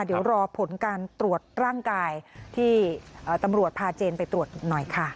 เดี๋ยวรอผลการตรวจร่างกายที่ตำรวจพาเจนไปตรวจหน่อยค่ะ